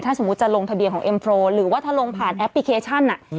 สมมุติจะลงทะเบียนของเอ็มโทรหรือว่าถ้าลงผ่านแอปพลิเคชัน